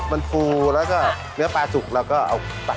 เมื่อกี้ใช้เวลาทอดนานแค่ไหนคะ